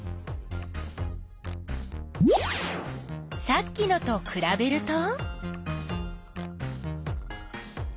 さっきのとくらべると？